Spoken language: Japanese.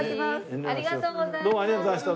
ありがとうございます。